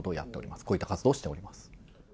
こういった活動をしております。